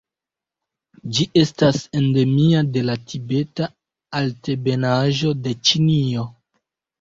Ĝi estas endemio de la Tibeta Altebenaĵo de Ĉinio.